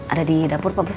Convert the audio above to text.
ada di dapur pak bos